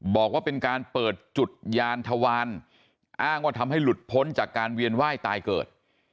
บอกว่าเป็นการเปิดจุดยานทวารอ้างว่าทำให้หลุดพ้นจากการเวียนไหว้ตายเกิด